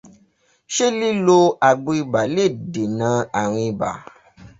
Ṣé lílo àgbo ibà le dènà ààrùn ibà?